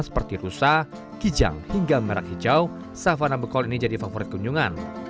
seperti rusa kijang hingga merah hijau savana bekol ini jadi favorit kunjungan